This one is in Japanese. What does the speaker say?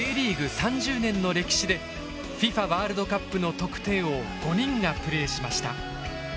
３０年の歴史でＦＩＦＡワールドカップの得点王５人がプレーしました。